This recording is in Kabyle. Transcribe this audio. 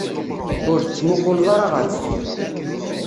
Ur tettmuqquleḍ ara ɣer deffir.